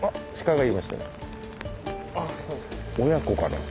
親子かな？